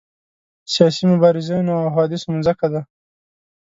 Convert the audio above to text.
سیاسي مبارزینو او حوادثو مځکه ده.